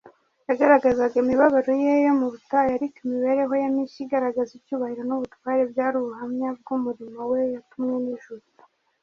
Yagaragazaga imibabaro ye yo mu butayu, ariko imibereho ye mishya igaragaza icyubahiro n’ubutware byari ubuhamya bw’umurimo we yatumwe n’ijuru